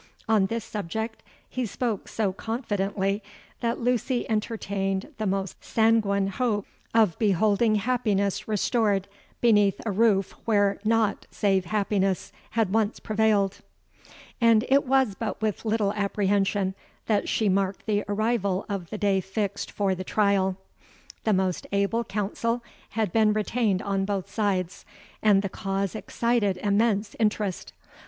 On this subject he spoke so confidently, that Lucy entertained the most sanguine hopes of beholding happiness restored beneath a roof where naught save happiness had once prevailed; and it was but with little apprehension that she marked the arrival of the day fixed for the trial. The most able counsel had been retained on both sides; and the cause excited immense interest.